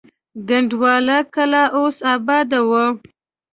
کنډواله کلا اوس اباده وه.